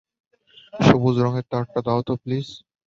সবুজ রঙের তারটা দাও তো, প্লিজ?